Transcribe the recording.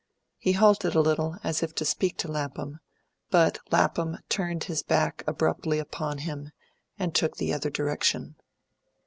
He halted a little, as if to speak to Lapham; but Lapham turned his back abruptly upon him, and took the other direction.